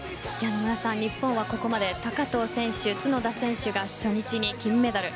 野村さん、日本はここまで高藤選手、角田選手が初日に金メダル。